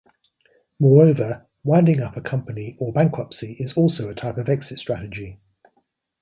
Moreover, winding up a company or bankruptcy is also a type of exit strategy.